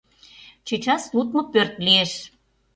Чечас лудмо пӧрт лиеш.